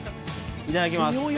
いただきます。